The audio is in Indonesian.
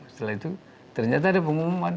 setelah itu ternyata ada pengumuman